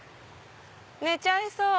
寝ちゃいそう。